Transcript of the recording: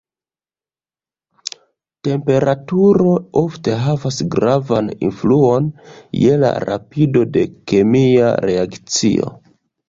Temperaturo ofte havas gravan influon je la rapido de kemia reakcio.